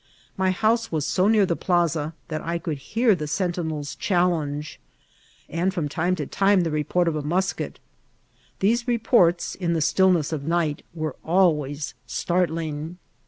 My house was so near the plaza that I could bear the sentinels' challenge, and from time to time the report of a nnis ket. These reports, in the stillness of night, were al ways startling.